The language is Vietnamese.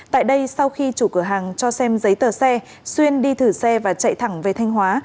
tại đây sau khi chủ cửa hàng cho xem giấy tờ xe xuyên đi thử xe và chạy thẳng về thanh hóa